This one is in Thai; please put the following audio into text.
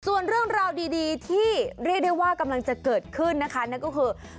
ส่วนเรื่องราวดีที่เรียกได้ว่ากำลังจะเกิดขึ้นนะคะนั่นก็คือ